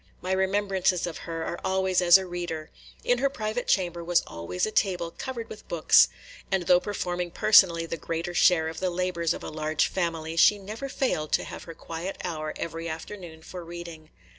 My remembrances of her are always as a reader. In her private chamber was always a table covered with books; and though performing personally the greater share of the labors of a large family, she never failed to have her quiet hour every afternoon for reading.